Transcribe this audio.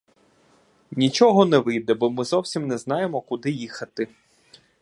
Нічого не вийде, бо ми зовсім не знаємо, куди їхати!